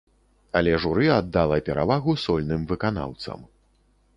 Але журы аддала перавагу сольным выканаўцам.